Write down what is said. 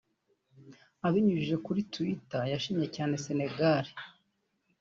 abinyujije kuri Twitter yashimiye cyane Sénégal